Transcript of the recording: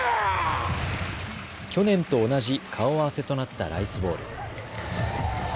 去年と同じ顔合わせとなったライスボウル。